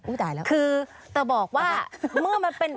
จ่ายแล้วคือจะบอกว่าเมื่อมันเป็น